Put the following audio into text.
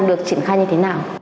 được triển khai như thế nào